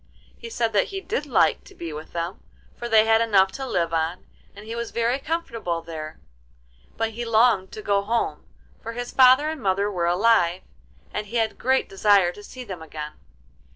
He said that he did like to be with them, for they had enough to live on, and he was very comfortable there; but he longed to go home, for his father and mother were alive, and he had a great desire to see them again.